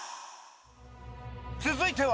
続いては。